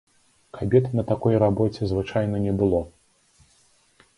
Кабет на такой рабоце звычайна не было.